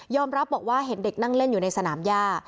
รับบอกว่าเห็นเด็กนั่งเล่นอยู่ในสนามย่า